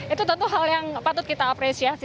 itu tentu hal yang patut kita apresiasi